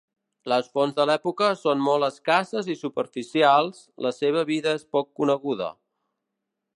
Les fonts de l'època són molt escasses i superficials, la seva vida és poc coneguda.